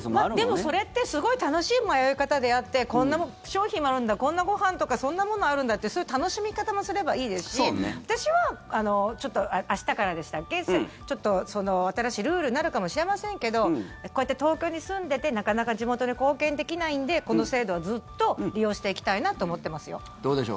でも、それってすごく楽しい迷い方であってこんな商品もあるんだこんなご飯とかそんなものあるんだっていうそういう楽しみ方もすればいいですし私は、明日からでしたっけ新しいルールになるかもしれませんけどこうやって東京に住んでてなかなか地元に貢献できないのでこの制度はずっと利用していきたいなと思ってますよ。